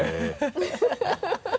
ハハハ